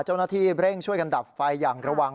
เจ้าหน้าที่เร่งช่วยกันดับไฟอย่างระวัง